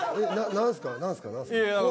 何すか？